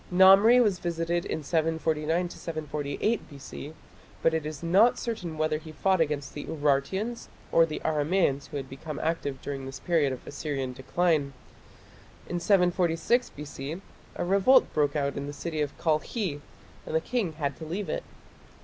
Namri was visited in 749 748 B.C., but it is not certain whether he fought against the Urartians, or the Aramaeans who had become active during this period of Assyrian decline. In 746 B.C. a revolt broke out in the city of Kalkhi and the king had to leave it.